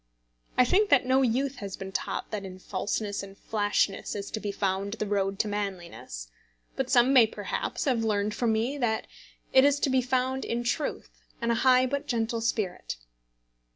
I think that no youth has been taught that in falseness and flashness is to be found the road to manliness; but some may perhaps have learned from me that it is to be found in truth and a high but gentle spirit.